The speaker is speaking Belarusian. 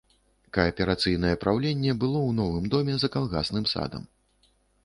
Кааперацыйнае праўленне было ў новым доме, за калгасным садам.